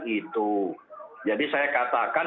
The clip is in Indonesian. itu jadi saya katakan